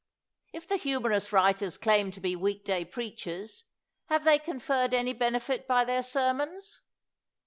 If the humorous writers claim to be week day preachers, have they conferred any benefit by their sermons?